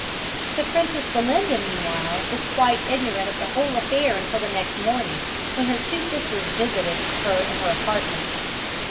The Princess Belinda, meanwhile, was quite ignorant of the whole affair until the next morning, when her two sisters visited her in her apartment.